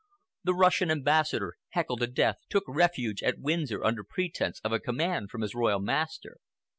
The Russian Ambassador, heckled to death, took refuge at Windsor under pretence of a command from his royal master.